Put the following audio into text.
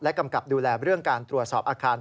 กำกับดูแลเรื่องการตรวจสอบอาคาร